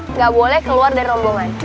nggak boleh keluar dari rombongan